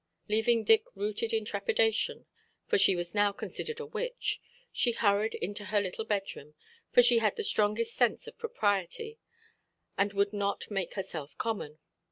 Leaving Dick rooted in trepidation, for she was now considered a witch, she hurried into her little bedroom; for she had the strongest sense of propriety, and would not "make herself common".